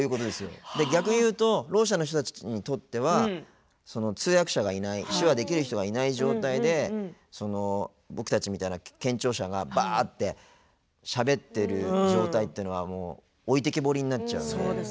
逆に言うとろう者の人たちにとっては通訳者がいない手話できる人がいない状況で僕たちみたいな健常者がばーってしゃべってる状態っていうのは置いてきぼりになっちゃうんで。